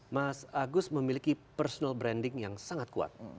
mas agus memiliki personal branding yang sangat kuat